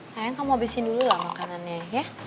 sayang kamu habisin dulu lah makanannya ya